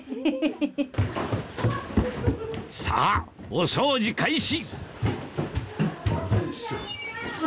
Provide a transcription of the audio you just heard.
さぁお掃除開始！